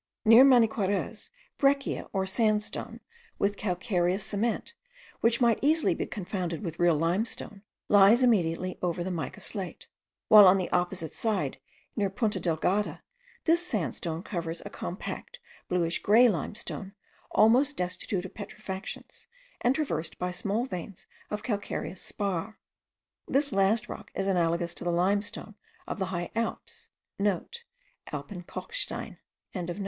Near Maniquarez, breccia or sandstone with calcareous cement, which might easily be confounded with real limestone, lies immediately over the mica slate; while on the opposite side, near Punta Delgada, this sandstone covers a compact bluish grey limestone, almost destitute of petrifactions, and traversed by small veins of calcareous spar. This last rock is analogous to the limestone of the high Alps.* (* Alpenkalkstein.)